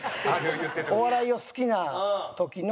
お笑いを好きな時の。